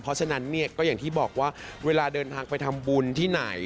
เพราะฉะนั้นเนี่ยก็อย่างที่บอกว่าเวลาเดินทางไปทำบุญที่ไหน